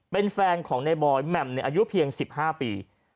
เป็นแฟนของในบอยแหม่มอายุเพียง๑๕ปี